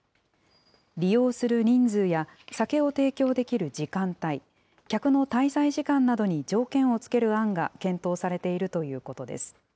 利用する人数や酒を提供できる時間帯、客の滞在時間などに条件を付ける案が検討されているということです。